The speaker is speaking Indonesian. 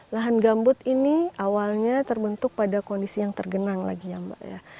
lahan gambut ini awalnya terbentuk pada kondisi yang tergenang lagi ya mbak ya